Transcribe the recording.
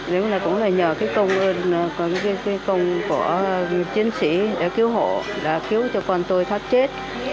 nếu là cũng là nhờ cái công ơn cái công của chiến sĩ để cứu hộ là cứu cho con tôi thoát chết